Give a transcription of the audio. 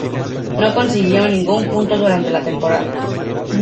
No consiguió ningún punto durante la temporada.